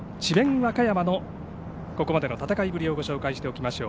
和歌山のここまでの戦いぶりを紹介しておきましょう。